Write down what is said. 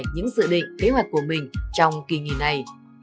những dự định kế hoạch của mình trong kỳ nghỉ này